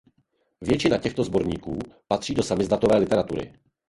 Většina těchto sborníků patří do samizdatové literatury.